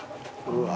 うわ。